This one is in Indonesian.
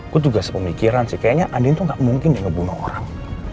gue juga sepemikiran sih kayaknya andin itu gak mungkin yang ngebunuh orang